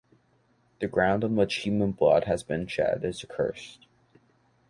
The ground on which human blood has been shed is accursed.